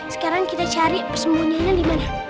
sekarang kita cari persembunyiannya di mana